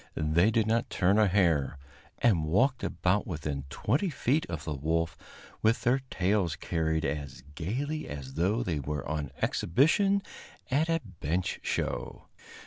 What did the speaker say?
They did not turn a hair, and walked about within twenty feet of the wolf with their tails carried as gayly as though they were on exhibition at a bench show.